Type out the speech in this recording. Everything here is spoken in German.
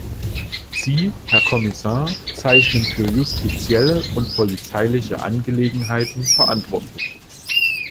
Sie, Herr Kommissar, zeichnen für justizielle und polizeiliche Angelegenheiten verantwortlich.